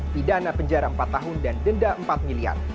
pidana penjara empat tahun dan denda empat miliar